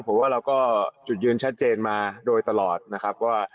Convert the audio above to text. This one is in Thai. ผมว่าเราก็จุดยืนชัดเจนมาโดยตลอดนะครับว่า